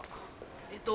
えっと